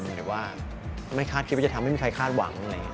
หรือว่าไม่คาดคิดว่าจะทำไม่มีใครคาดหวัง